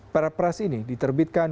peraperas ini diterbitkan